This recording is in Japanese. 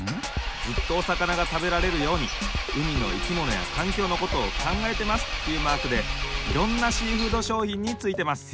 ずっとおさかながたべられるように海のいきものやかんきょうのことをかんがえてますっていうマークでいろんなシーフードしょうひんについてます。